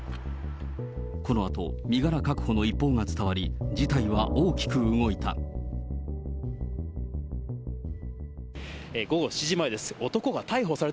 このあと、身柄確保の一報が伝わり、事態は大きく動いた。